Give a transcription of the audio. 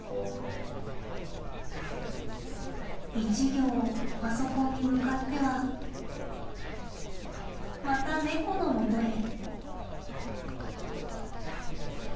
一行パソコンに向かってはまた猫のもとへ。